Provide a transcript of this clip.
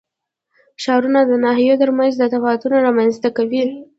ښارونه د ناحیو ترمنځ تفاوتونه رامنځ ته کوي.